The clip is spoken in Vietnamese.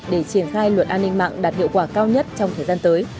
để triển khai luật an ninh mạng đạt hiệu quả cao nhất trong thời gian tới